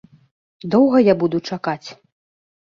Доўга я буду чакаць?